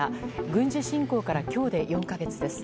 軍事侵攻から今日で４か月です。